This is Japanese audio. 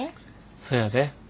そやで。